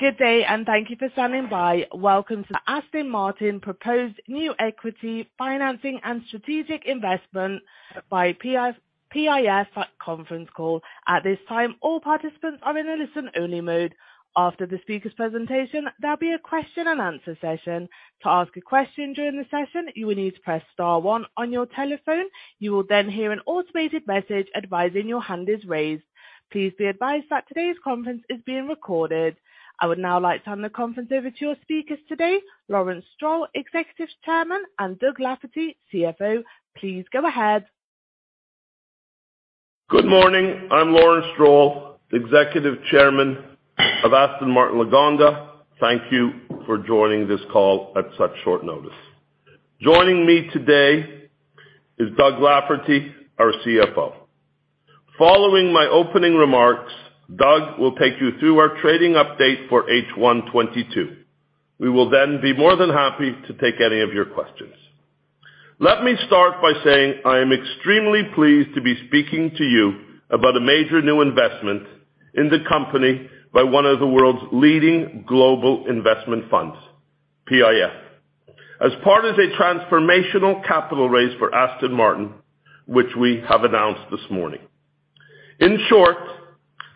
Good day, thank you for standing by. Welcome to the Aston Martin proposed new equity financing and strategic investment by PIF conference call. At this time, all participants are in a listen-only mode. After the speaker's presentation, there'll be a question and answer session. To ask a question during the session, you will need to press star one on your telephone. You will then hear an automated message advising your hand is raised. Please be advised that today's conference is being recorded. I would now like to hand the conference over to our speakers today, Lawrence Stroll, Executive Chairman, and Doug Lafferty, CFO. Please go ahead. Good morning. I'm Lawrence Stroll, Executive Chairman of Aston Martin Lagonda. Thank you for joining this call at such short notice. Joining me today is Doug Lafferty, our CFO. Following my opening remarks, Doug will take you through our trading update for H1 2022. We will then be more than happy to take any of your questions. Let me start by saying I am extremely pleased to be speaking to you about a major new investment in the company by one of the world's leading global investment funds, PIF, as part of a transformational capital raise for Aston Martin, which we have announced this morning. In short,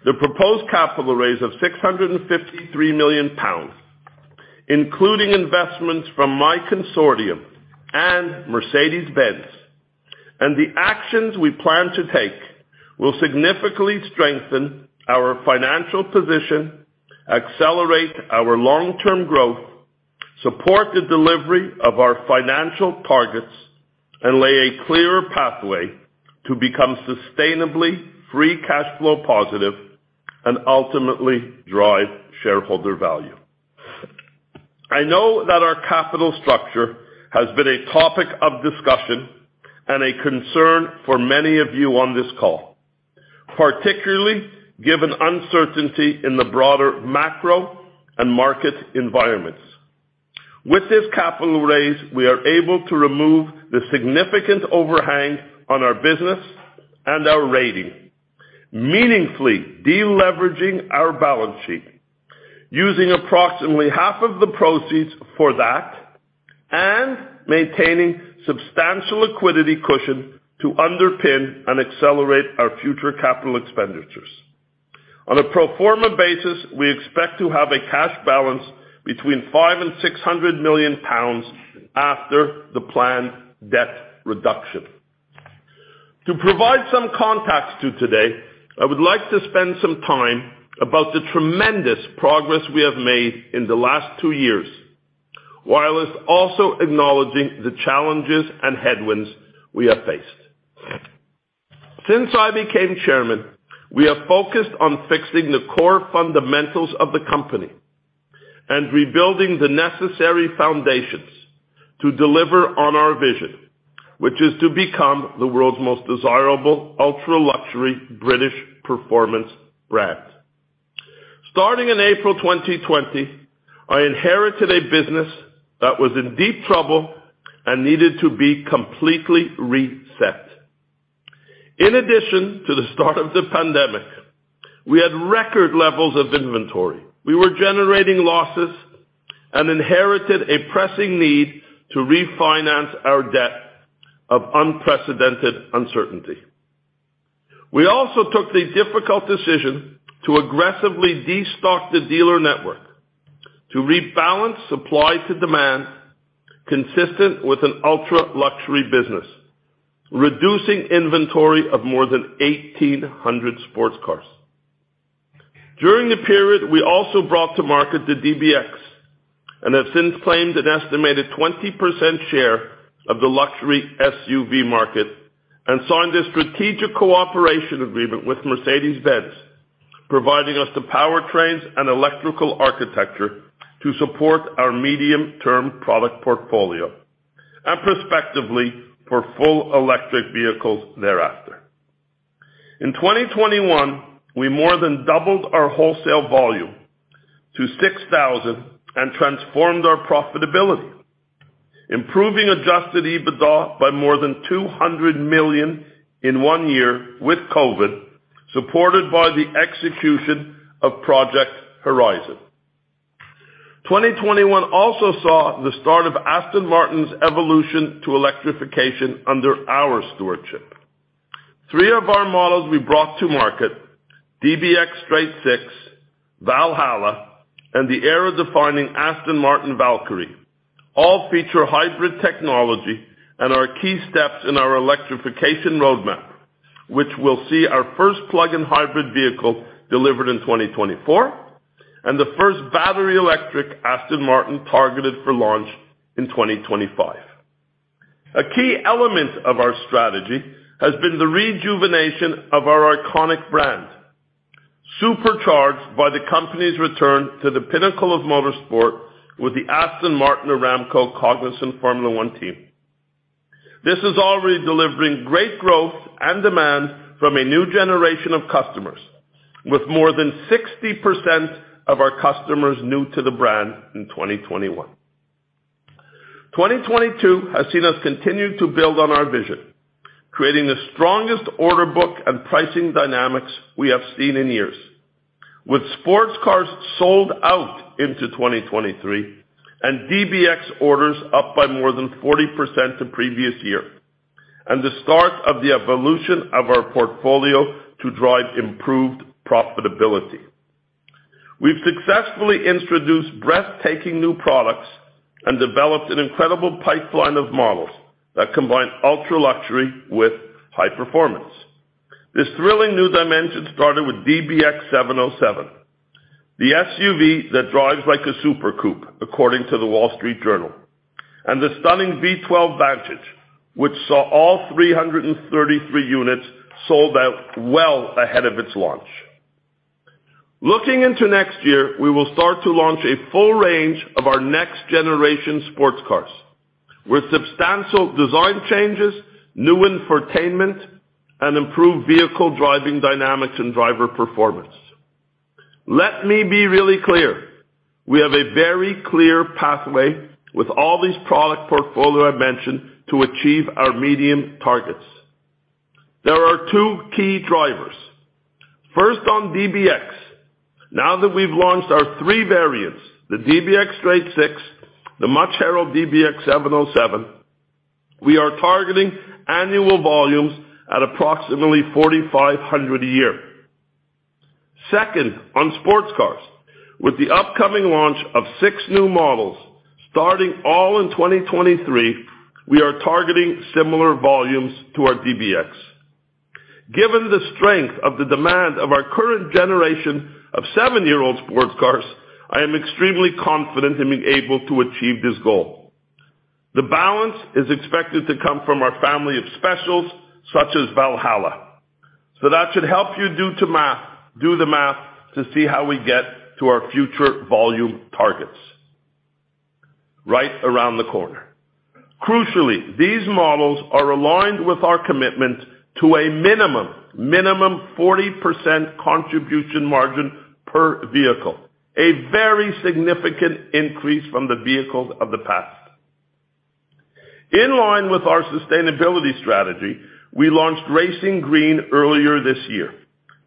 the proposed capital raise of 653 million pounds, including investments from my consortium and Mercedes-Benz, and the actions we plan to take will significantly strengthen our financial position, accelerate our long-term growth, support the delivery of our financial targets, and lay a clear pathway to become sustainably free cash flow positive and ultimately drive shareholder value. I know that our capital structure has been a topic of discussion and a concern for many of you on this call, particularly given uncertainty in the broader macro and market environments. With this capital raise, we are able to remove the significant overhang on our business and our rating, meaningfully deleveraging our balance sheet, using approximately half of the proceeds for that and maintaining substantial liquidity cushion to underpin and accelerate our future capital expenditures. On a pro forma basis, we expect to have a cash balance between 500 million and 600 million pounds after the planned debt reduction. To provide some context to today, I would like to spend some time about the tremendous progress we have made in the last two years, while also acknowledging the challenges and headwinds we have faced. Since I became chairman, we have focused on fixing the core fundamentals of the company and rebuilding the necessary foundations to deliver on our vision, which is to become the world's most desirable ultra-luxury British performance brand. Starting in April 2020, I inherited a business that was in deep trouble and needed to be completely reset. In addition to the start of the pandemic, we had record levels of inventory. We were generating losses and inherited a pressing need to refinance our debt of unprecedented uncertainty. We also took the difficult decision to aggressively destock the dealer network to rebalance supply to demand consistent with an ultra-luxury business, reducing inventory of more than 1,800 sports cars. During the period, we also brought to market the DBX and have since claimed an estimated 20% share of the luxury SUV market and signed a strategic cooperation agreement with Mercedes-Benz, providing us the powertrains and electrical architecture to support our medium-term product portfolio and prospectively for full electric vehicles thereafter. In 2021, we more than doubled our wholesale volume to 6,000 and transformed our profitability, improving adjusted EBITDA by more than 200 million in one year with COVID, supported by the execution of Project Horizon. 2021 also saw the start of Aston Martin's evolution to electrification under our stewardship. Three of our models we brought to market, DBX Straight-Six, Valhalla, and the era-defining Aston Martin Valkyrie, all feature hybrid technology and are key steps in our electrification roadmap, which will see our first plug-in hybrid vehicle delivered in 2024 and the first battery electric Aston Martin targeted for launch in 2025. A key element of our strategy has been the rejuvenation of our iconic brand, supercharged by the company's return to the pinnacle of motorsport with the Aston Martin Aramco Cognizant Formula One Team. This is already delivering great growth and demand from a new generation of customers, with more than 60% of our customers new to the brand in 2021. 2022 has seen us continue to build on our vision, creating the strongest order book and pricing dynamics we have seen in years. With sports cars sold out into 2023 and DBX orders up by more than 40% to previous year, and the start of the evolution of our portfolio to drive improved profitability. We've successfully introduced breathtaking new products and developed an incredible pipeline of models that combine ultra-luxury with high performance. This thrilling new dimension started with DBX707, the SUV that drives like a super coupe, according to The Wall Street Journal, and the stunning V12 Vantage, which saw all 333 units sold out well ahead of its launch. Looking into next year, we will start to launch a full range of our next-generation sports cars with substantial design changes, new infotainment, and improved vehicle driving dynamics and driver performance. Let me be really clear. We have a very clear pathway with all these product portfolio I mentioned to achieve our medium targets. There are two key drivers. First, on DBX. Now that we've launched our three variants, the DBX Straight-Six, the much-heralded DBX707, we are targeting annual volumes at approximately 4,500 a year. Second, on sports cars. With the upcoming launch of six new models, starting in 2023, we are targeting similar volumes to our DBX. Given the strength of the demand of our current generation of seven-year-old sports cars, I am extremely confident in being able to achieve this goal. The balance is expected to come from our family of specials such as Valhalla. That should help you do the math to see how we get to our future volume targets right around the corner. Crucially, these models are aligned with our commitment to a minimum 40% contribution margin per vehicle, a very significant increase from the vehicles of the past. In line with our sustainability strategy, we launched Racing Green earlier this year,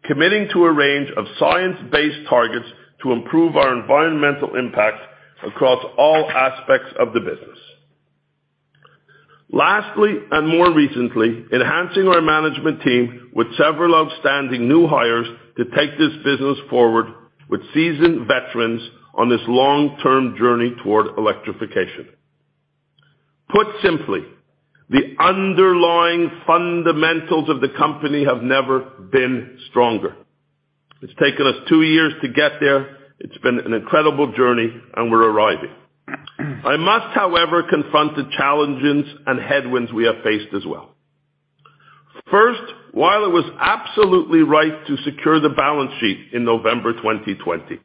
committing to a range of science-based targets to improve our environmental impact across all aspects of the business. Lastly, and more recently, enhancing our management team with several outstanding new hires to take this business forward with seasoned veterans on this long-term journey toward electrification. Put simply, the underlying fundamentals of the company have never been stronger. It's taken us two years to get there. It's been an incredible journey, and we're arriving. I must, however, confront the challenges and headwinds we have faced as well. First, while it was absolutely right to secure the balance sheet in November 2020,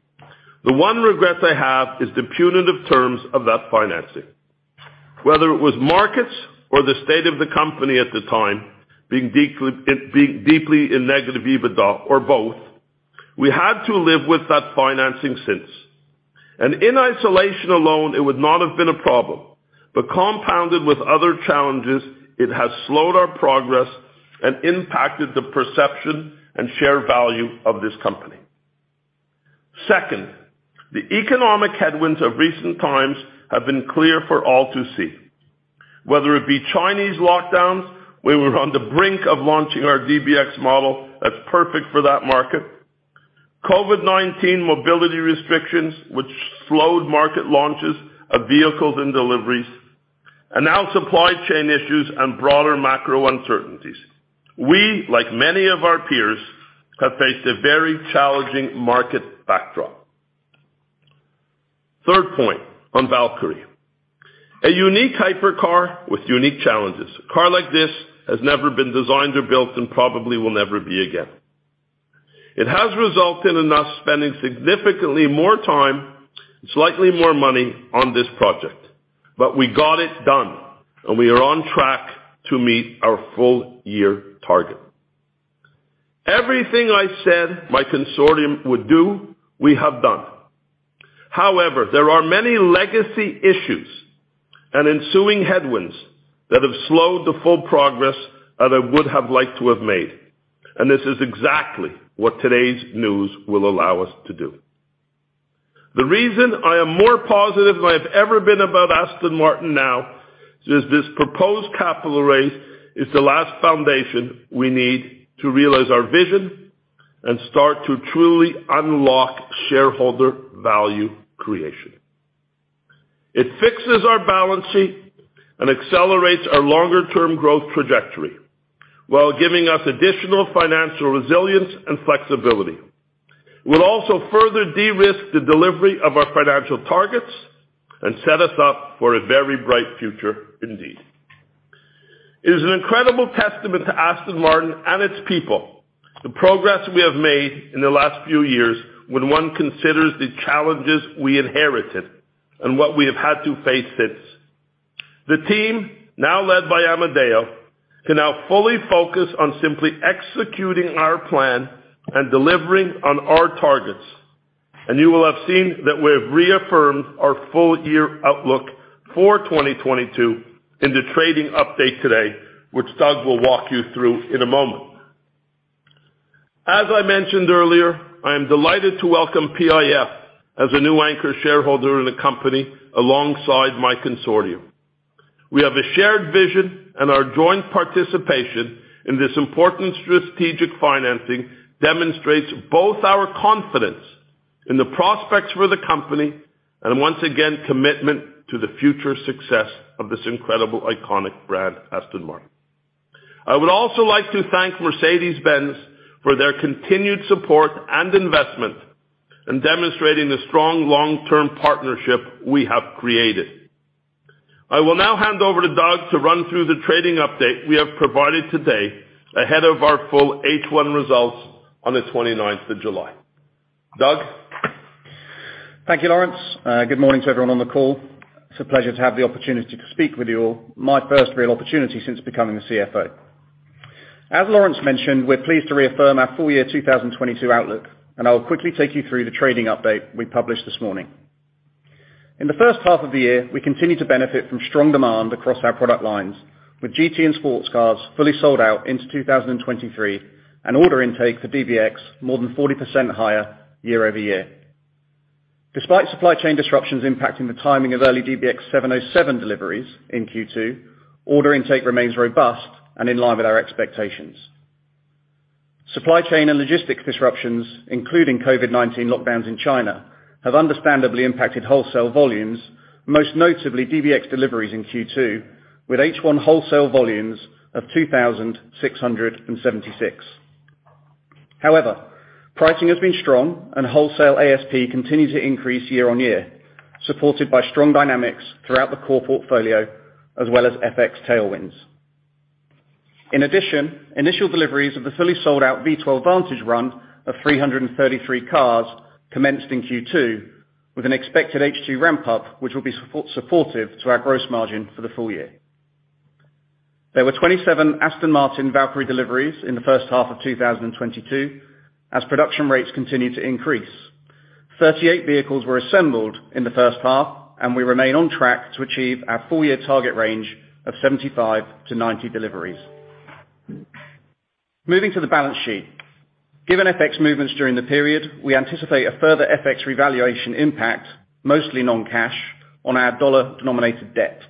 the one regret I have is the punitive terms of that financing. Whether it was markets or the state of the company at the time being deeply in negative EBITDA or both, we had to live with that financing since. In isolation alone, it would not have been a problem, but compounded with other challenges, it has slowed our progress and impacted the perception and share value of this company. Second, the economic headwinds of recent times have been clear for all to see. Whether it be Chinese lockdowns, we were on the brink of launching our DBX model that's perfect for that market, COVID-19 mobility restrictions, which slowed market launches of vehicles and deliveries, and now supply chain issues and broader macro uncertainties. We, like many of our peers, have faced a very challenging market backdrop. Third point on Valkyrie, a unique hypercar with unique challenges. A car like this has never been designed or built and probably will never be again. It has resulted in us spending significantly more time, slightly more money on this project, but we got it done and we are on track to meet our full year target. Everything I said my consortium would do, we have done. However, there are many legacy issues and ensuing headwinds that have slowed the full progress that I would have liked to have made, and this is exactly what today's news will allow us to do. The reason I am more positive than I've ever been about Aston Martin now is this proposed capital raise is the last foundation we need to realize our vision and start to truly unlock shareholder value creation. It fixes our balance sheet and accelerates our longer-term growth trajectory while giving us additional financial resilience and flexibility. It will also further de-risk the delivery of our financial targets and set us up for a very bright future indeed. It is an incredible testament to Aston Martin and its people, the progress we have made in the last few years when one considers the challenges we inherited and what we have had to face since. The team, now led by Amedeo, can now fully focus on simply executing our plan and delivering on our targets. You will have seen that we have reaffirmed our full year outlook for 2022 in the trading update today, which Doug will walk you through in a moment. As I mentioned earlier, I am delighted to welcome PIF as a new anchor shareholder in the company alongside my consortium. We have a shared vision, and our joint participation in this important strategic financing demonstrates both our confidence in the prospects for the company and once again, commitment to the future success of this incredible, iconic brand, Aston Martin. I would also like to thank Mercedes-Benz for their continued support and investment in demonstrating the strong long-term partnership we have created. I will now hand over to Doug to run through the trading update we have provided today ahead of our full H1 results on the 29th of July. Doug? Thank you, Lawrence. Good morning to everyone on the call. It's a pleasure to have the opportunity to speak with you all, my first real opportunity since becoming the CFO. As Lawrence mentioned, we're pleased to reaffirm our full year 2022 outlook, and I will quickly take you through the trading update we published this morning. In the first half of the year, we continued to benefit from strong demand across our product lines with GT and sports cars fully sold out into 2023, and order intake for DBX more than 40% higher year-over-year. Despite supply chain disruptions impacting the timing of early DBX707 deliveries in Q2, order intake remains robust and in line with our expectations. Supply chain and logistics disruptions, including COVID-19 lockdowns in China, have understandably impacted wholesale volumes, most notably DBX deliveries in Q2, with H1 wholesale volumes of 2,676. However, pricing has been strong, and wholesale ASP continued to increase year-on-year, supported by strong dynamics throughout the core portfolio as well as FX tailwinds. In addition, initial deliveries of the fully sold out V12 Vantage run of 333 cars commenced in Q2 with an expected H2 ramp up, which will be supportive to our gross margin for the full year. There were 27 Aston Martin Valkyrie deliveries in the first half of 2022 as production rates continued to increase. 38 vehicles were assembled in the first half, and we remain on track to achieve our full year target range of 75-90 deliveries. Moving to the balance sheet. Given FX movements during the period, we anticipate a further FX revaluation impact, mostly non-cash, on our dollar-denominated debt.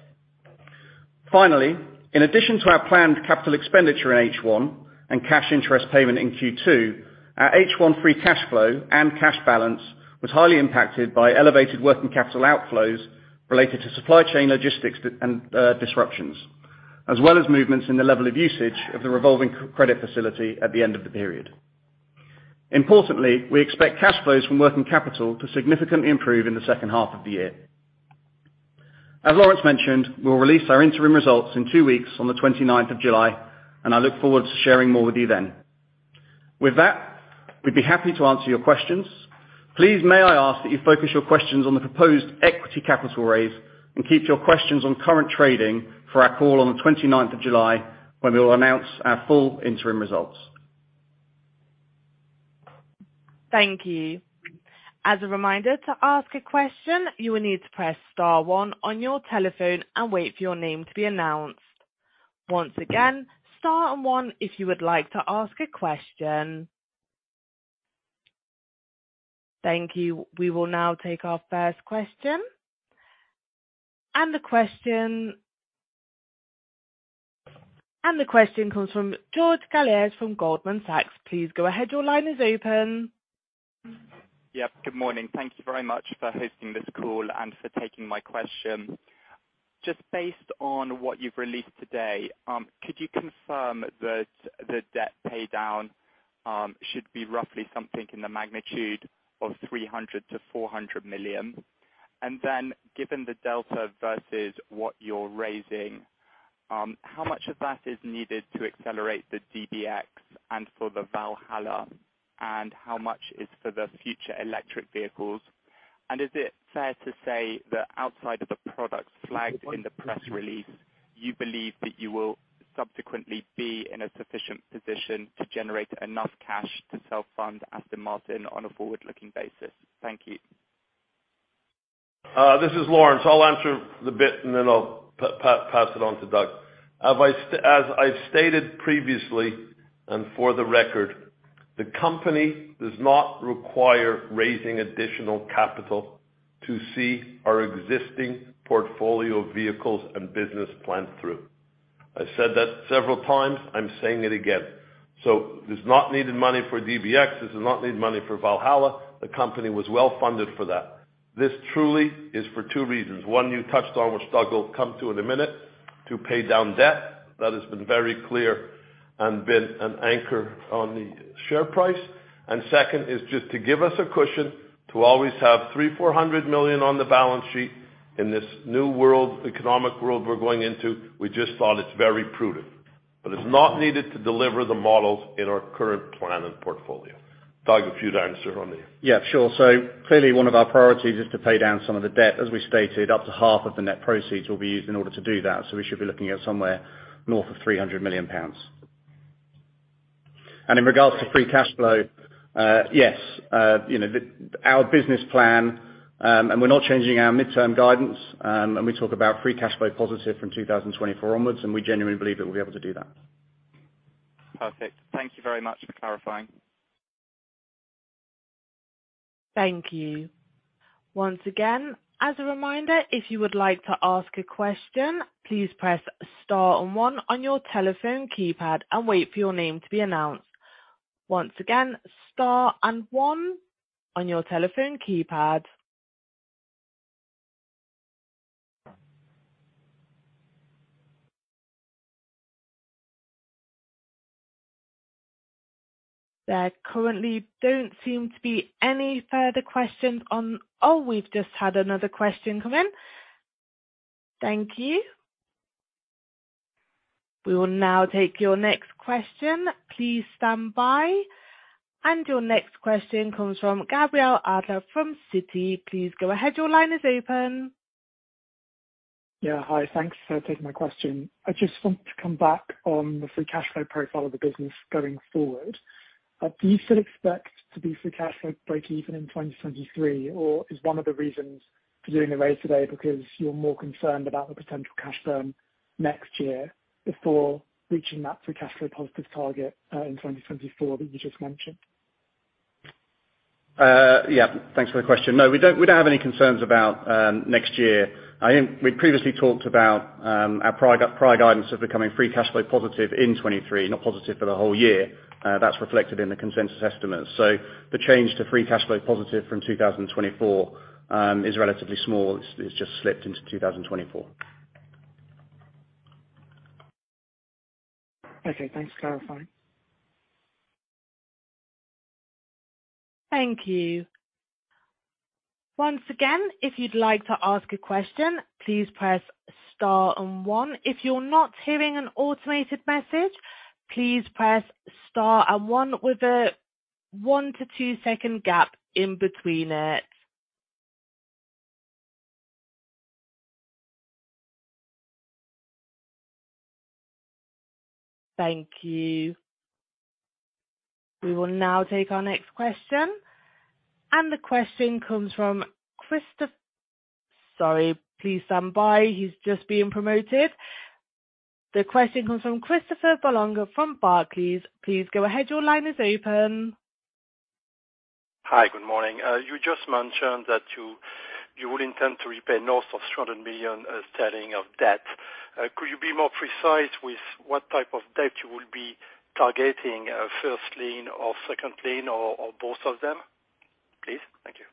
Finally, in addition to our planned capital expenditure in H1 and cash interest payment in Q2, our H1 free cash flow and cash balance was highly impacted by elevated working capital outflows related to supply chain logistics and disruptions, as well as movements in the level of usage of the revolving credit facility at the end of the period. Importantly, we expect cash flows from working capital to significantly improve in the second half of the year. As Lawrence mentioned, we'll release our interim results in two weeks on the 29th of July, and I look forward to sharing more with you then. With that, we'd be happy to answer your questions. Please, may I ask that you focus your questions on the proposed equity capital raise and keep your questions on current trading for our call on the 29th of July when we will announce our full interim results. Thank you. As a reminder, to ask a question, you will need to press star one on your telephone and wait for your name to be announced. Once again, star and one if you would like to ask a question. Thank you. We will now take our first question. The question comes from George Galliers from Goldman Sachs. Please go ahead. Your line is open. Yeah, good morning. Thank you very much for hosting this call and for taking my question. Just based on what you've released today, could you confirm that the debt pay down should be roughly something in the magnitude of 300 million-400 million? Then given the delta versus what you're raising, how much of that is needed to accelerate the DBX and for the Valhalla, and how much is for the future electric vehicles? Is it fair to say that outside of the products flagged in the press release, you believe that you will subsequently be in a sufficient position to generate enough cash to self-fund Aston Martin on a forward-looking basis? Thank you. This is Lawrence. I'll answer the bit, and then I'll pass it on to Doug. As I've stated previously and for the record, the company does not require raising additional capital to see our existing portfolio of vehicles and business plan through. I said that several times. I'm saying it again. There's not needed money for DBX. There's not needed money for Valhalla. The company was well funded for that. This truly is for two reasons. One, you touched on, which Doug will come to in a minute, to pay down debt. That has been very clear and been an anchor on the share price. Second is just to give us a cushion to always have 300 million-400 million on the balance sheet. In this new world, economic world we're going into, we just thought it's very prudent. It's not needed to deliver the models in our current plan and portfolio. Doug, if you'd answer on the Yeah, sure. Clearly, one of our priorities is to pay down some of the debt. As we stated, up to half of the net proceeds will be used in order to do that. We should be looking at somewhere north of 300 million pounds. In regards to free cash flow, you know, our business plan, and we're not changing our midterm guidance, and we talk about free cash flow positive from 2024 onwards, and we genuinely believe that we'll be able to do that. Perfect. Thank you very much for clarifying. Thank you. Once again, as a reminder, if you would like to ask a question, please press star and one on your telephone keypad and wait for your name to be announced. Once again, star and one on your telephone keypad. There currently don't seem to be any further questions. Oh, we've just had another question come in. Thank you. We will now take your next question. Please stand by. Your next question comes from Gabriel Adler from Citi. Please go ahead. Your line is open. Yeah. Hi. Thanks for taking my question. I just want to come back on the free cash flow profile of the business going forward. Do you still expect to be free cash flow breakeven in 2023, or is one of the reasons for doing the raise today because you're more concerned about the potential cash burn next year before reaching that free cash flow positive target in 2024 that you just mentioned? Yeah. Thanks for the question. No, we don't have any concerns about next year. I think we previously talked about our prior guidance of becoming free cash flow positive in 2023, not positive for the whole year. That's reflected in the consensus estimates. The change to free cash flow positive from 2024 is relatively small. It's just slipped into 2024. Okay, thanks for clarifying. Thank you. Once again, if you'd like to ask a question, please press star and one. If you're not hearing an automated message, please press star and one with a one to two-second gap in between it. Thank you. We will now take our next question, and the question comes from Christian Bolling from Barclays. Please go ahead. Your line is open. Hi, good morning. You just mentioned that you would intend to repay north of 100 million sterling of debt. Could you be more precise with what type of debt you will be targeting, first lien or second lien or both of them, please? Thank you.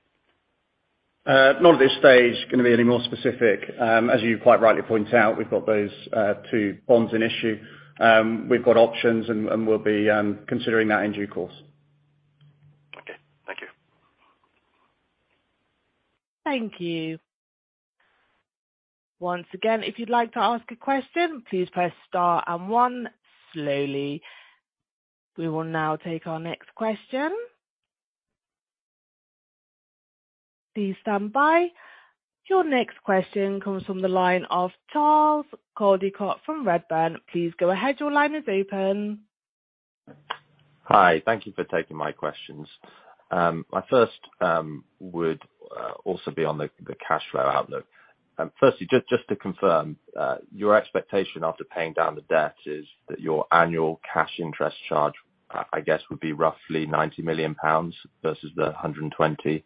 Not at this stage gonna be any more specific. As you quite rightly point out, we've got those two bonds in issue. We've got options and we'll be considering that in due course. Okay. Thank you. Thank you. Once again, if you'd like to ask a question, please press star and one slowly. We will now take our next question. Please stand by. Your next question comes from the line of Charles Coldicott from Redburn. Please go ahead. Your line is open. Hi. Thank you for taking my questions. My first would also be on the cash flow outlook. Firstly, just to confirm, your expectation after paying down the debt is that your annual cash interest charge, I guess would be roughly 90 million pounds versus the 120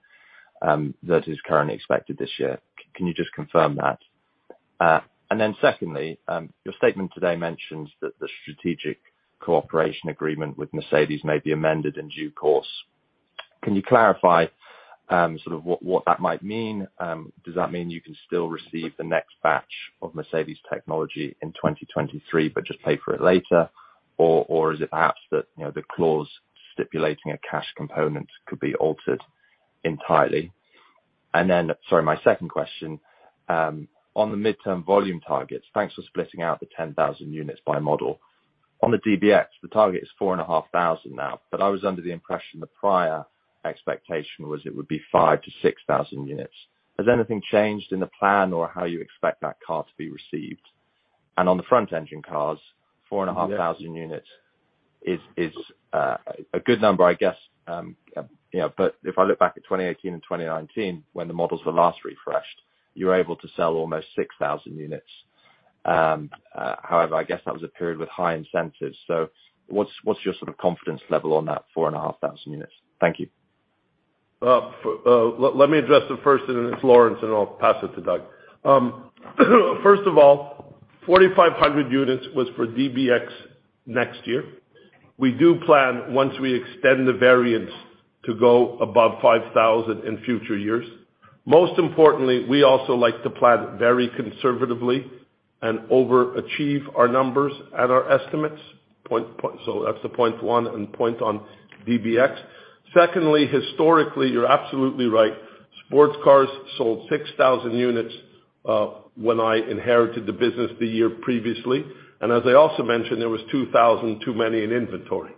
that is currently expected this year. Can you just confirm that? And then secondly, your statement today mentions that the strategic cooperation agreement with Mercedes-Benz may be amended in due course. Can you clarify sort of what that might mean? Does that mean you can still receive the next batch of Mercedes-Benz technology in 2023, but just pay for it later? Or is it perhaps that, you know, the clause stipulating a cash component could be altered entirely? Sorry, my second question, on the midterm volume targets, thanks for splitting out the 10,000 units by model. On the DBX, the target is 4,500 now, but I was under the impression the prior expectation was it would be 5,000-6,000 units. Has anything changed in the plan or how you expect that car to be received? On the front engine cars, 4,500 units is a good number, I guess. You know, but if I look back at 2018 and 2019, when the models were last refreshed, you were able to sell almost 6,000 units. However, I guess that was a period with high incentives. What's your sort of confidence level on that 4,500 units? Thank you. Let me address the first, then it's Lawrence, and I'll pass it to Doug. First of all, 4,500 units was for DBX next year. We do plan, once we extend the variants, to go above 5,000 in future years. Most importantly, we also like to plan very conservatively and overachieve our numbers and our estimates. Point, point. That's the point one and point on DBX. Secondly, historically, you're absolutely right. Sports cars sold 6,000 units when I inherited the business the year previously, and as I also mentioned, there was 2,000 too many in inventory.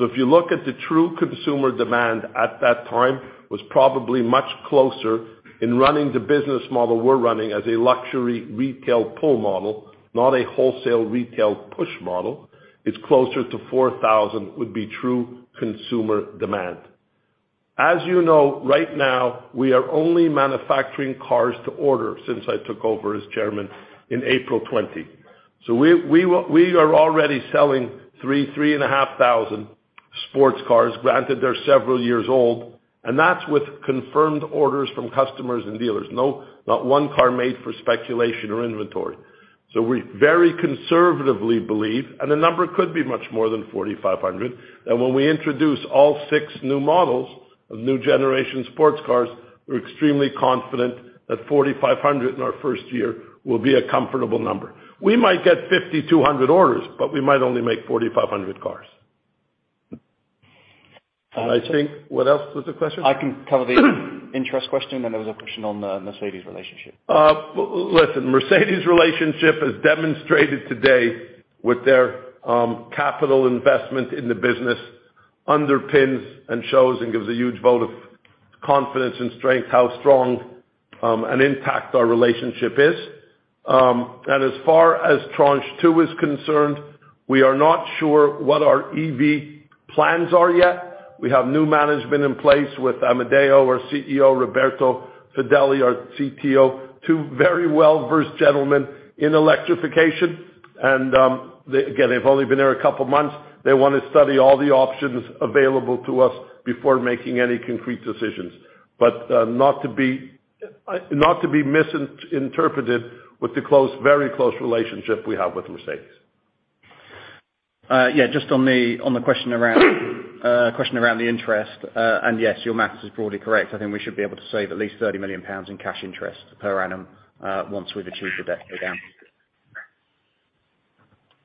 If you look at the true consumer demand at that time, was probably much closer in running the business model we're running as a luxury retail pull model, not a wholesale retail push model. It's closer to 4,000 would be true consumer demand. As you know, right now, we are only manufacturing cars to order since I took over as chairman in April 2020. We are already selling 3,500 sports cars. Granted, they're several years old, and that's with confirmed orders from customers and dealers. No, not one car made for speculation or inventory. We very conservatively believe, and the number could be much more than 4,500, that when we introduce all six new models of new generation sports cars, we're extremely confident that 4,500 in our first year will be a comfortable number. We might get 5,200 orders, but we might only make 4,500 cars. I think. What else was the question? I can cover the interest question, and there was a question on the Mercedes relationship. Listen. Mercedes relationship has demonstrated today with their capital investment in the business underpins and shows and gives a huge vote of confidence and strength, how strong an impact our relationship is. As far as tranche two is concerned, we are not sure what our EV plans are yet. We have new management in place with Amedeo, our CEO, Roberto Fedeli, our CTO, two very well-versed gentlemen in electrification. They again, they've only been there a couple of months. They wanna study all the options available to us before making any concrete decisions. Not to be misinterpreted with the close, very close relationship we have with Mercedes. Yeah. Just on the question around the interest. Yes, your math is broadly correct. I think we should be able to save at least 30 million pounds in cash interest per annum, once we've achieved the debt pay down.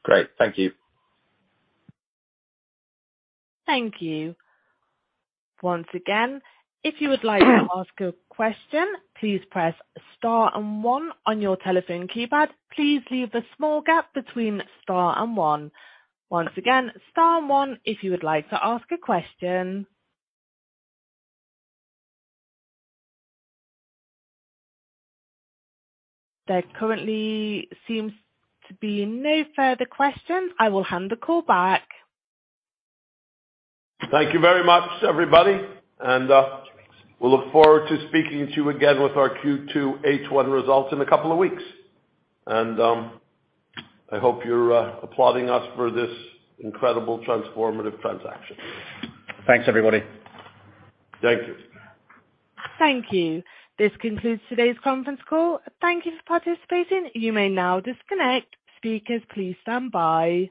Great. Thank you. Thank you. Once again, if you would like to ask a question, please press star and one on your telephone keypad. Please leave a small gap between star and one. Once again, star and one, if you would like to ask a question. There currently seems to be no further questions. I will hand the call back. Thank you very much, everybody, and we look forward to speaking to you again with our Q2 H1 results in a couple of weeks. I hope you're applauding us for this incredible transformative transaction. Thanks, everybody. Thank you. Thank you. This concludes today's conference call. Thank you for participating. You may now disconnect. Speakers, please stand by.